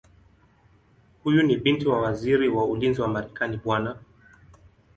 Huyu ni binti wa Waziri wa Ulinzi wa Marekani Bw.